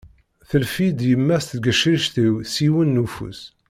Tellef-iyi-d yemma i tgecrirt-w s yiwen n ufus.